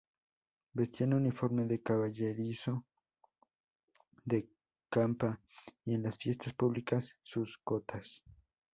Vestían uniforme de Caballerizo de Campa y en las Fiestas públicas sus cotas.